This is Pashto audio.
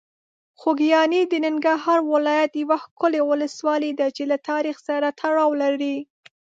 خوږیاڼي د ننګرهار ولایت یوه ښکلي ولسوالۍ ده چې له تاریخ سره تړاو لري.